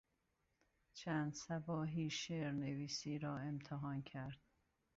چند صباحی شعرنویسی را امتحان کرد.